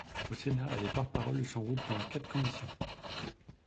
Au Sénat, elle est porte-parole de son groupe dans quatre commissions.